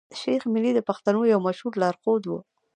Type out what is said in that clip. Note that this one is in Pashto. شېخ ملي د پښتنو يو مشهور لار ښود وو.